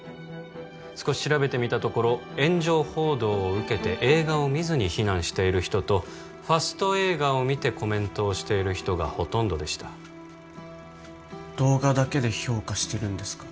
少し調べてみたところ炎上報道を受けて映画を見ずに非難している人とファスト映画を見てコメントをしている人がほとんどでした動画だけで評価してるんですか？